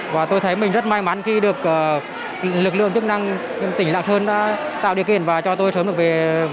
và tôi thấy mình rất may mắn khi được lực lượng chức năng tỉnh lạng sơn đã tạo điều kiện và cho tôi sớm được về